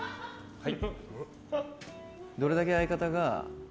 はい。